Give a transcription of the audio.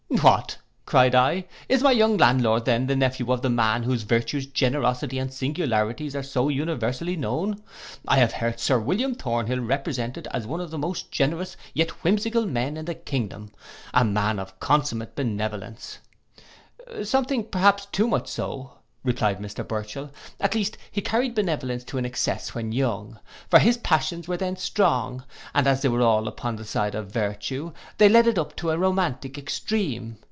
'What!' cried I, 'is my young landlord then the nephew of a man whose virtues, generosity, and singularities are so universally known? I have heard Sir William Thornhill represented as one of the most generous, yet whimsical, men in the kingdom; a man of consumate benevolence'—'Something, perhaps, too much so,' replied Mr Burchell, 'at least he carried benevolence to an excess when young; for his passions were then strong, and as they all were upon the side of virtue, they led it up to a romantic extreme.